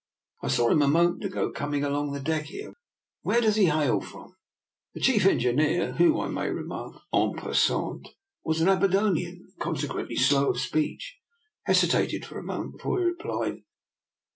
I saw him a moment ago coming along the deck here. Where does he hail from? " The chief engineer, who, I may remark, en passant, was an Aberdonian and, conse quently slow of speech, hesitated for a mo ment before he replied.